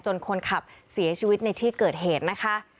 คนขับเสียชีวิตในที่เกิดเหตุนะคะ